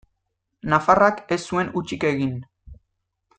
Nafarrak ez zuen hutsik egin.